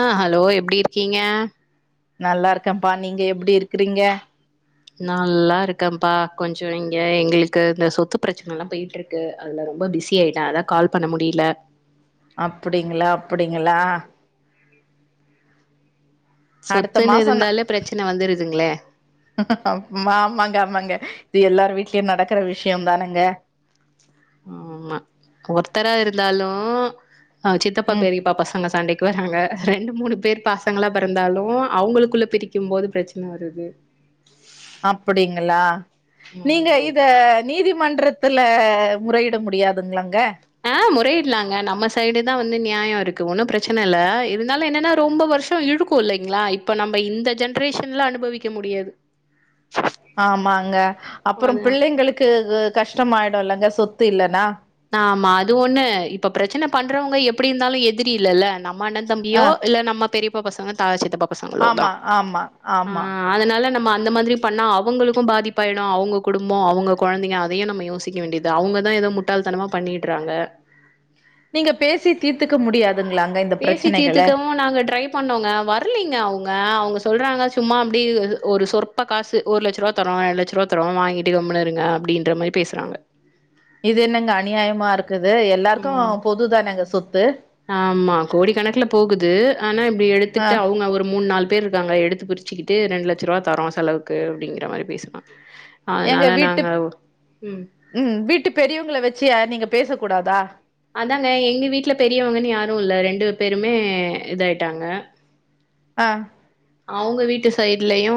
ஆஹ் hello எப் எப்படி இருக்கீங்க நல்லா இருக்கேன்ப்பா நீங்க எப்படி இருக்கிறீங்க நல்லா இருக்கேன்ப்பா கொஞ்சம் இங்க எங்களுக்கு இந்த சொத்து பிரச்சனை எல்லாம் போயிட்டு இருக்கு அதுல ரொம்ப பிஸி ஆயிட்டேன் அதான் கால் பண்ண முடியல அப்படிங்களா அப்படிங்களா அடுத்த சொத்துன்னு மாசம்னா இருந்தாலே பிரச்சன வந்துருதுங்களே ஆமாங்க ஆமாங்க இது எல்லாரு வீட்லயும் நடக்கற விஷயம் தானுங்க ஆமா ஒருத்தரா இருந்தாலூ ஆ சித்தப்பா ம் பெரியப்பா பசங்க சண்டைக் வராங்க ரெண்டு மூணு பேர் பாசங்களாபெறந்தாலூ அவங்களுக்குள்ள பிரிக்கும் போது பிரச்சன வருது அப்படிங்களா நீங்க ஆமா இத நீதிமன்றத் துல முறையிட முடியாதுங்களாங்க ஆஹ் முறையிட்லாங்க நம்ம சைடுதா வந்து நியாயொ இருக்கு ஒன்னு பிரச்சன இல்ல இருந்தாலு என்னனா ரொம்ப வருஷொ இழுக்கு இல்லைங்ளா இப்ப நம்ம இந்த ஜென்ரேஷன் ல அனுபவிக்க முடியாது ஆமாங்க அப்பறொ அதான். பிள்ளைங்களுக்கு கு கஷ் கஷ்டமாயிடுல்லங்க சொத்து இல்லனா ஆமா அது ஒண்ணு இப்ப பிரச்சன பண்றவங்க எப்டி இருந்தாலு எதிரி இல்லல்ல நம் மண்ணந் ஆ தம்பியோ இல்ல நம்ம பெரியப் பா பசங்க தா சித்தப்பா பசங்களோ ஆமா ஆமா ஆமா ம அந்த மாதிரி பண்ணா அவங்களுக்கூ பாதிப்பாய்டூ அவுங்க குடும்பொ அவுங்க கொழந்தைங்க அதையு நம்ம யோசிக்க வேண்டியது அவங்கதா ஏதோ முட் முட்டாள்தனமா பண்ணீட்றாங்க நீங்க பேசி தீர்த்துக்க முடியாத் பேசி தீர்த்துக்கவு நாங்க ட்ரை பண்ணோங்க வரலைங்க அவுங்க அவுங்க சொல்றாங்க சும்மா அப்டி ஒரு சொற்ப காசு ஒரு லட்ச ரூவா தரோ ரெண்டு லட்ச ரூபா தருவோ வாங்கிட்டு கம்முனிருங்க அப்டின்ற மாரி பேசுறாங்க இது என்னங்க அநியாயமா இருக்குது எல்லார்க்கு ம் பொதுதானேங்க சொத்து இ கணக்குல போகுது ஆனா இப்டி எடுத்துக்ட்டு ஆ அவங்க ஒரு மூன் நால் பேர் இருக்காங்க எடுத்து பிரிச்சிகிட்டு ரெண்ட்லட்ச ரூபா தரோ செலவுக்கு அப்டிங்ற மாரி பேசுவாங் ஏங்க வீட்டு ம் உம் வீட்டு பெரியவங்கள வச்சு ஏ நீங்க பேஸ் அதாங்க எங்க வீட்ல பெரியவங்கனு யாரூ இல்ல ரெண்டு பேருமே இதாயிட்டாங்க ஆ அவுங்க வீட்டு சைட்லயூ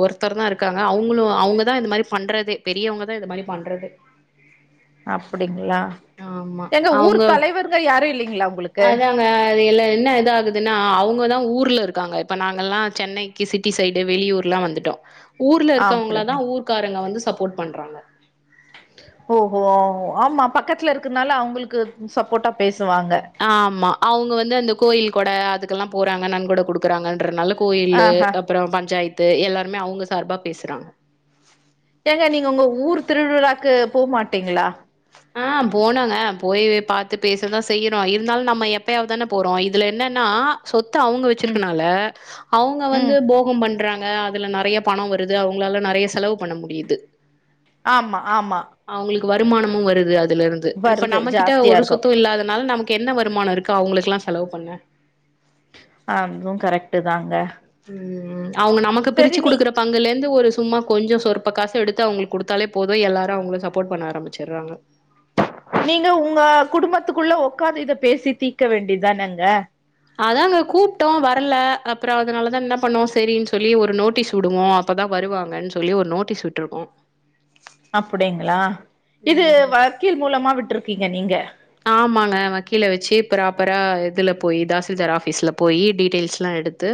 ஒருத்தர்தா இருக்காங்க அவுங்ளூ அவங்கதா இந்த மாரி பண்றதே பெரியவங்கதா இந்த மாரி பண்றதே அப்டிங்ளா ஆமா ஏங்க ஊர் அவங்க தலைவர்ங்க யாரு இல்லைங்களா உங்களுக்கு அதாங்க அது எல்லா என்ன எது ஆகுதுன்னா அவுங்க தா ஊர்ல இருக்காங்க இப்ப நாங்கல்லா சென்னைக்கு சிட்டி சைடு வெளியூர்லா வந்துட்டோ ஊர்ல ஆ இருக்கவங்ளதா அப்டிங்க ஊர்காரங்க வந்து சப் போர்ட் பண்றாங்க ஓஹோ ஆமா பக்கத்ல இருக்குர்னால அவங்களுக்கு சப்போர்ட்டா பேஸ் ஆமா அவுங்க வந்து அந்த கோயில் கொட அது குல்லா போறாங்க நன்கொட குடுக்குறாங்கன்றனால கோயில்லு ஆஹா அப்றோ பஞ்சாய் து எல்லாருமே அவுங்க சார்பா பேசுறாங் ஏங்க நீங்க உங்க ஊர் திருவிழாக்கு போமாட்டிங்களா ஆ போனாங்க போய் பாத்து பேசதான் செய்யிறோம் இருந்தாலும் நம்ம எப்பயாவது தானே போறோம் இதுல என்னன்னா சொத் து அவங்க ம் வெச்சிருக்கனால அவங்க வந்து ம் போகம் பண்றாங் அ அதுல நறைய பணம் வருது அவங்களால நறைய செலவு பண்ண முடியுது ஆமா ஆமா வருமானம் ம் வருது அது அதுலருந்து இப்ப வருது நம்மகிட்ட ஜாஸ்தியா ஒரு இருக்கு சொத்தும் இல்லாதனால நமக் கேன்ன வருமானோ இருக்கு அவுங்குளுக்குல்லா செலவு பண்ண அதுவும் கரெக்ட்டு தாங்க ம் ம் அவங்க நமக்கு சரி பிரிச்சு நீ குடுக்குற பங்குலே ந்து ஒரு சும்மா கொஞ்சம் சொற்ப காசு எடுத்து அவங்களுக்கு குடுத்தாலே போதும் எல்லாரும் அவங்கள சப்போர்ட் பண்ண ஆரம்பிச்சட்றாங்க நீங்க உங்க குடும்பத்துக்குள்ள உக்காந்து இத பேசி தீக்க வேண்டிதானேங்க அதாங்க கூப்ட்டோம் வரல அப்புறம் அதனாலதான் என்ன பண்ணோம் சேரின்னு சொல்லி ஒரு நோட்டீஸ் விடுவோம் அப்பதான் வருவாங்கன்னு சொல்லி ஒரு நோட்டீஸ் விட்ருக்கோம் அப்பிடிங்களா இது வக்கீல் மூலமா விட்டுருக்கு இருக்கீங்க நீங்க ஆமாங்க வக்கீல வச்சு ப்ராப்பரா இதுல போய் தாசில்தார் ஆபீஸ்ல போயி டீடெயில்ஸ் எல்லாம் எடுத்து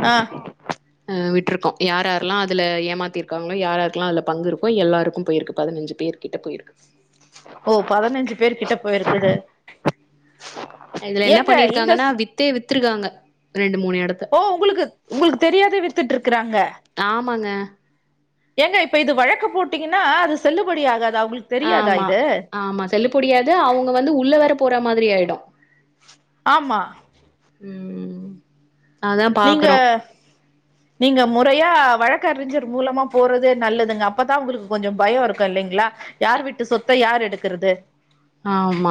ஆ ஆ விட்டுருக்கோம் யார்யாரெல்லாம் அதுல ஏமாத்திருக்காங்களோ யார்யாருக்கெல்லாம் அதுல பங்கு இருக்கோ எல்லாருக்கும் போயிருக்கு பதினஞ்சு பேர் கிட்ட போயிருக்கு ஓ பதினஞ்சு பேர் கிட்ட போயிருக்குது இதுல என்ன ஏங்க இந்த பண்ணிருக்காங்கன்னா ஸ்- வித்தைய வித் வித்திருக்காங்க ரெண்டு மூணு எடத்த ஓ உங்களுக்கு உங்களுக்கு தெரியாத வித்துட்டு இருக்கறாங்க ஆமாங்க ஏங்க இப்ப இது வழக்க போட்டீங்கன்னா அது செல்லுபடி ஆகா ஆமா ஆமா செல்லுபடியாது அவங்க வந்து உள்ளே வர போற மாதிரி ஆயிடும் ஆமா. ம். அதா நீங்க பாக்குறோ நீங்க முறையா வழக்கறிஞர் மூலமா போறது நல்லதுங்க அப்பதான் உங்களுக்கு கொஞ்சம் பயம் இருக்கும் இல்லைங்களா யார் வீட்டு சொத்த யார் எடுக்கிறது ஆமா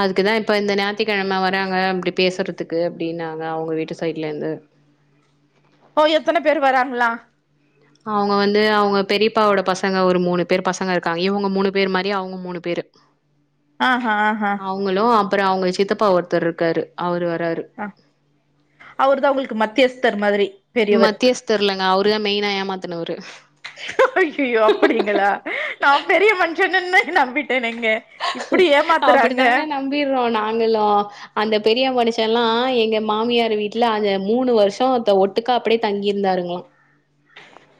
அதுக்குதான் இப்ப இந்த ஞாயிற்றுக்கிழமை வர்றாங்க அப்படி பேசுறதுக்கு அப்படின்னாங்க அவங்க வீட்டு சைட்ல இருந்து ஓ எத்தனை பேர் வராங்களா அவங்க வந்து அவங்க பெரியப்பாவோட பசங்க ஒரு மூணு பேரு பசங்க இருக்காங்க இவங்க மூணு பேரு மாதிரி அவங்க மூணு பேரு ஆஹா ஆஹா அப்புறோ அவங்க சித்தப்பா ஒருத்தர்ருக்கரு அவர் வ ராரு அவரு தா உங்களுக்கு மத்தியஸ்தர் மாதிரி பெரியவர் மத்தியஸ்தர் இல்லங்க அவ் ருதா மெய்னா ஏமாத்துனவரு அய்யய்யோ அப்புடிங்களா நா பெரிய மனுஷ ன்னனே நம்பிட்டேனங்க அப்புடித்தாங்க நம்பிற்றோ நாங்களு அந்த பெரிய மனு ஷல்லா எங்க மாமியார் வீட்ல அந்த மூணு வருஷோ த ஒட்டுக்கா அப்புடே தங்கிருந்தாருங்களா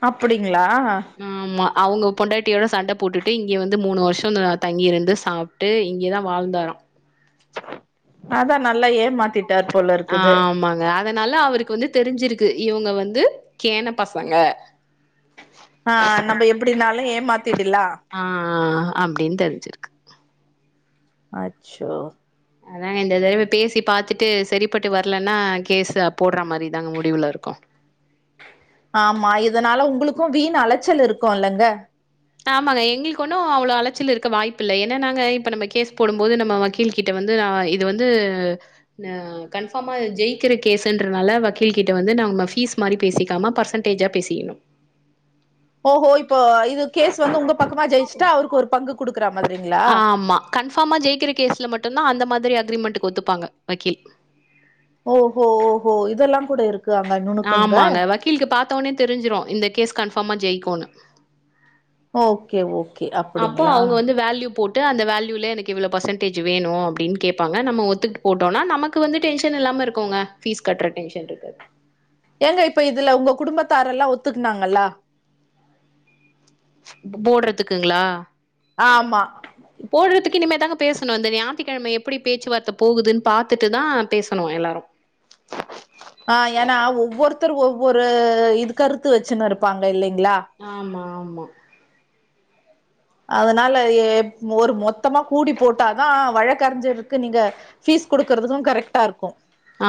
அப்புடிங்கு ங்ளா அவங்க பொண்டாட்டியோட சண்ட போட்டுட்டு இங்க வந்து மூணு வருஷோ த தங்கி இருந்து சாப்ட்டு இங்கேதா வாழ்ந்தாரா அத்தா நல்லா ஏமாத்திட் ஆ ஆமாங்க அதனால அவருக்கு வந்து தெரிஞ்சிருக்கு இவங்க வந்து கேன பசங்க ஆ நம்ம எப்புடின்னாலு ஏமாத் ஆ அப்டின்னு தெரிஞ்சிருக்கு அச்சோ அதாங்க இந்த தடவ பேசி பாத்துட்டு சரிப்பட்டு வரலன்னா கேஸ்ஸ போட்ற மாரிதாங்க முடிவுல இருக்கோம் ஆமா இதனால உங்குளுக்கும் வீண் அலைச்சல் இருக்குல்லங்க ஆமாங்க எங்களுக்கு ஒன்னும் அவ்வளவு அலச்சல் இருக்க வாய்ப்பு இல்ல ஏன்னா நாங்க இப்ப நம்ம கேஸ் போடும் போது நம்ம வக்கீல் கிட்ட வந்து ஆ இது வந்து நெ கன்ஃபார்மா ஜெயிக்கிற கேஸ்ன்றனால வக்கீல் கிட்ட வந்து நம்ம ஃபீஸ் மாரி பேசிக்காம பர்சன்டேஜா பேசிக்கிணு ஓஹோ இப்போ இது கேஸ் வந்து உங்க பக்கமா ஜெயிச்சுட்டா அவருக்கு ஒரு பங்கு குடுக் ஆமா கன்ஃபார்மா ஜெயிக்கிற கேஸ்ல மட்டுந்தா அந்த மாத் திரி அக்ரிமெண்ட்டுக்கு ஒத்துப்பாங்க வக்கீல் ஓஹோ ஓஹோ இதெல்லா கூட இருக் ஆமாங்க வக்கீலுக்கு பாத்த ஒன்னே தெரிஞ்சிரு இந்த கேஸ் கன்ஃபார்மா ஜெயிக்குன்னு ஓகே ஓ அப்போ அவங்க வந்து வேல்யூ போட் ட்டு அந்த வால்யூலே எனக்கு இவ்ளோ ஃபர்சன்டேஜ் வேணு அப்புடீனு கேப்பாங்க, நம்ம ஒத்துக்டு போட்டோன்னா, நமக்கு வந்து டென்சன் இல்லாம இருக்கூங்க ஃபீஸ் கட்ற டென்சன்ட்ருக்காது த்துக்னாங்களா போ போட்றதுக்குங்களா ஆமா போட்றதுக்கு இனிமே தாங்க பேசணு இந்த ஞாயித்திக்கிழம, எப்புடி பேச்சுவார்த்த போகுதுன்னு பாத்துட்டுதா பேசணும் எல்லாரும் ஆ ஏன்னா ஒவ்வொருத்தரு ஒவ்வொரு இது கருத்து வெச்சுன்னு இருப்பாங்க இல்லை ஆமா ஆம் மா அதனால ஒரு மொத்தமா கூடி போட்டாதா வழக்கறிஞதுக்கு நீங்க ஃபீஸ் கொடுக்குறதுக்கு கரெக்ட்டா இருக்கூ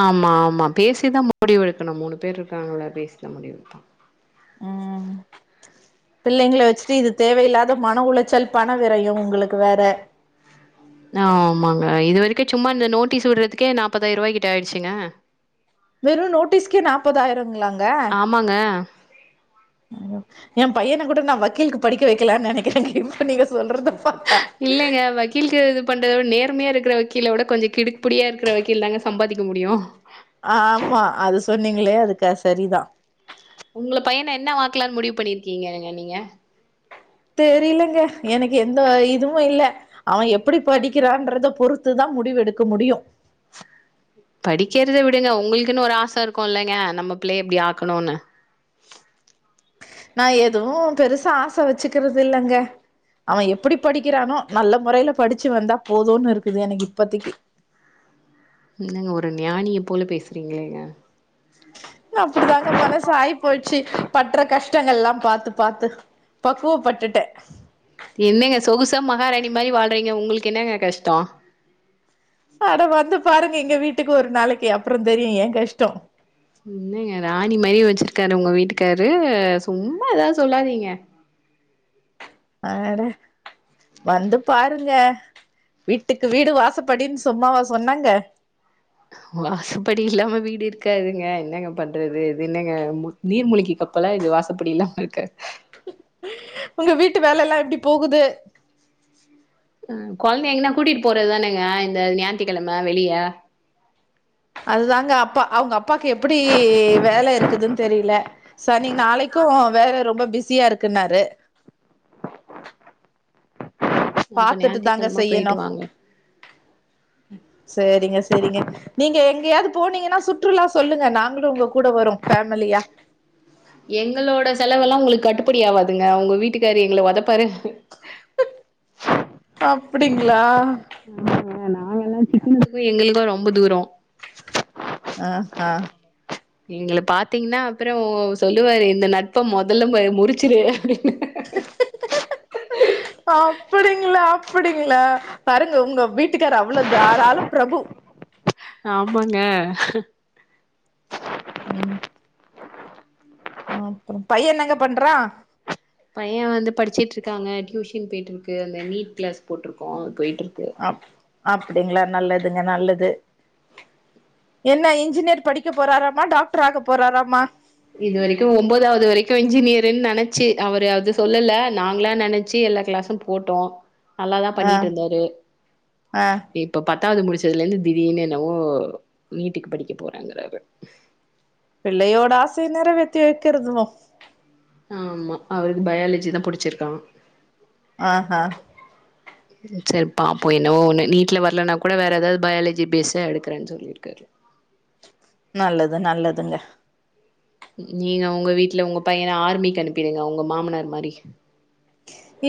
ஆமா ஆமா பேசிதா முடிவவுெடுக்கணு மூணு பேர் இருக்காங்கள பேசிதா முடிவவு எடுப்போ அ [inaudible] ம் பிள்ளைங்கள வச்சுட்டு இது தேவையில்லாத மன உளைச்சல் பண விரையம் உங்களுக்கு வேற ஆமாங்க இது வரைக்கும் சும்மா இந்த நோட்டீஸ் விடுறதுக்கே நாப்பதாயிர ரூவாய்க்கிட்ட ஆயிடுச்சுங்க வெறு நோட்டீஸ்க்கே நாப்பதாயிரங்களாங்க ஆமாங்க. யோ என் பையனை கூட நா வக்கீலுக்கு படிக்க வைக்கலாம்னு நெனைக்கிறே இப்ப நீங்க சொல்றத பாத்தா இல்லைங்க வக்கீல்க்கு பண்றதோட நேர்மையா இருக்ற வக்கீல விட கொஞ்சோ கிடுக்குப்புடியா இருக்க வக்கீல் தாங்க சம்பாதிக்க முடியு ஆமா அது சொன்னீங்களே அதுக்கு கஸ் செரிதா உங்க பையன என்ன வாக்கலாம்னு முடிவு பண்ணிருக்கீங்கங்க நீங்க தெரிலங்க எனக்கு எந்த இதுவும் இல்ல. அவன் எப்படி படிக்கிறான்றத பொறுத்துதா முடிவெடுக்க முடியும் படிக்கிறத விடுங்க உங்களுக்குன்னு ஒரு ஆச இருக்குலங்க நம்ம பிள்ளைய இப்டி ஆக்கணும்னு நா எதுவு பெருசா ஆச வச்சுக்கிறது இல்லங்க. அவன் எப்டி படிக்கிறானோ நல்ல முறைல படிச்சு வந்தா போதுன்னு இருக்குங்க எனக்கு இப்பத்தைக்கு நீங்க ஒரு ஞானிய போல பேசுறீங்களேங்க அப்டித்தாங்க மனசு ஆய் போச்சி பட்டுற கஷ் ங்கள் எல்லாம் பாத்து பாத்து பக்குவப்பட்டுட்டே என்னங்க சொகுசா மகாராணி மாதிரி வாழ்றீங்க உங்களுக்கு என்னங்க கஷ்டோ அட வந்து பாருங் எங்க வீட்டுக்கு ஒரு நாளைக்கு அப்பறோ தெரியு ஏ கஷ்டோ என்னங்க ராணி மாரி வச்சிருக்காரு உங்க வீட்டுக்காரு சும்மா அதாவது சொல்லாதீங்க ஆட வந்து பாருங்க வீட்டுக்கு வீடு வாசப்படின்னு சும்மாவா சொன்னாங்க வாசப்படி இல்லாம வீடு இருக்காதுங்க என்னங்க பண்றது இது என்னங்க நீர்மூழிக்க கப்பல்லா இது வாசப்படி இல்லாம இருக்க உங்க வீட்டு வேல எல்லாம் எப்டி போகுது கொழந்தை எங்கன்னா கூட்டிட்டு போறதுதானுங்க இந்த ஞாயிற்றுக்கெழம வெளியே அதுதாங்க அப்பா அவுங்க அப்பாக்கு எப்டி வேல இருக்குதுன்னு தெரில செரி நீங்க நாளைக்கும் வேலை ரொம்ப பிஸியா இருக்குன்னாரு அப்ப பாத்துட்டு தாங்க ஞாயித்துக்கெழம போயிட்டு வாங்க செரிங்க செரிங்க நீங்க எங்கயாவது போனீங்கன்னா சுற்றுலா சொல்லுங்க நாங்களும் உங்க கூட வரோ ஃபேமிலியா எங்களோட செலவெல்லா உங்களுக்கு கட்டு அப்டி ஆவாதுங்க உங்க வீட்டுக்கார எங்கள உதப்பாரு அப்டிங்களா நாங்க என்ன சிக்கனத்துக்கு போய் எங்களுக்க ரொம்ப தூரொ ஆ ஆ எங்கள பாத்தீங்கன்னா அப்பறோ சொல்லுவாரு இந்த நட்ப முதல்ல முறுச்சுரு அப்ப ஆம் அப்டிங்களா அப்டிங்களா பாருங்க உங்க வீட்டுக்கார அவ்வள தாராள பிரபு ஆமாங்க ம் ஆப்புறோ பைய என்னங்க பண்றா பைய வந்து படிச்சுட்ருக்காங்க டியூஷன் போயிட்டு இருக்கு அந்த நீட் கிளாஸ் போட்ருக்கோ போயிட்ருக்கு டிங்களா நல்லதுங்க நல்லது என்ன இன்ஜினியர் படிக்க போறாராமா டாக்டர் ஆக போறாராமா இது வரைக்கு ஒன்பதாவது வரைக்கு இன்ஜினியருன்னு நெனச்சு அவரு அது சொல்லல நாங்களா நெனைச்சு எல்லா கிளாஸு போட்டோ நல்லாதா பண்ணிட்டு ஆஹ் இருந்தாரு ஆஹ் இப்ப ப த்தாவது முடிச்சதுல இருந்து திடீர்னு என்னவோ நீீட்டுக்கு படிக்க போறேங்குறாரு பிள்ளையோட ஆசைய நெறவேத்தி வெக்கறதுமா ஆமா அவருக்கு பயாலஜி தா புடிச்சிருக்கா ஆஹ்ஹ செரிப் பாப்போ என்னவோ ஒன்னு நீட்டுல வரலனா கூட வேற ஏதாவது பயாலஜி பேஸா எடுக்குறேன்னு சொல்லிருக்காரு நல்லது நல்லதுங்க நீங்க உங்க வீட்ல உங்க பையன ஆர்மிக்கு அனுப்பிடுங்க உங்க மாமனார் மாரி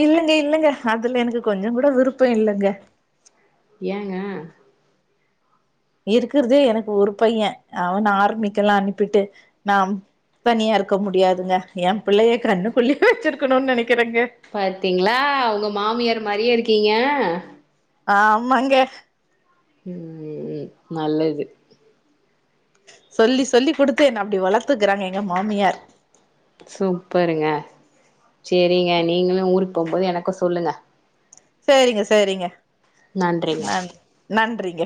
இல்லங்க இல்லங்க அதுல எனக்கு கொஞ்சோ கூட விருப்போ இல்லங்க ஏங்க இருக்குறது எனக்கு ஒரு பைய அவன ஆர்மிக்கு எல்லா அனுப்பிட்டு நா தனியா இருக்க முடியாதுங்க எ பிள்ளைய கண்ணுக்குள்ளயே வெச்சிருக்கணுனு நெனைக் பாத்தீங்களா உங்க மாமியார் மாறியே இருக்கீங்க ஆமாங்க ம் ம் ம் நல்லது சொல்லி சொல்லி குடுத்து என்ன அப்டி வளத்துக்குறாங்க எங்க மாமியார் சூப்பருங்க சேரிங்க நீங்களு ஊருக் போம்போது எனக்கு சொல்லுங்க சேரிங்க சேரிங்க நன்றிங்க நன் நன்றி ங்க